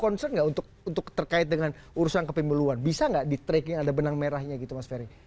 concern nggak untuk terkait dengan urusan kepemiluan bisa nggak di tracking ada benang merahnya gitu mas ferry